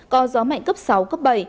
có gió mạnh cấp sáu cấp bảy